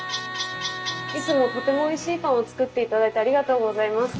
「いつもとてもおいしいパンを作っていただいてありがとうございます。